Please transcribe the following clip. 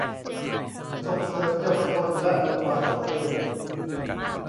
ส่งเสริมเยาวชนและบทบาทสตรี